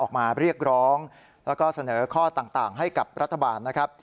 ออกมาเรียกร้องแล้วก็เสนอข้อต่างให้กับรัฐบาลนะครับ